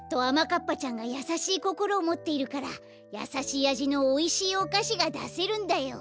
かっぱちゃんがやさしいこころをもっているからやさしいあじのおいしいおかしがだせるんだよ。